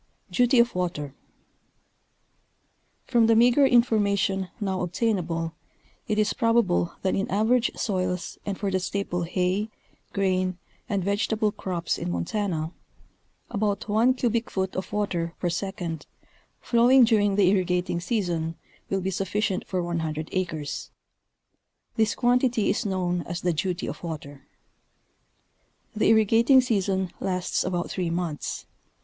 Duty or WATER. From the meagre information now obtainable it is probable that in average soils and for the staple hay, grain and vegetable crops in Montana, about one cubic foot of water per second, flow ing during the irrigating season, will be sufticient for 100 acres ; this quantity is known as the " duty of water." The irrigating season lasts about three months.